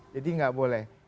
jadi gak boleh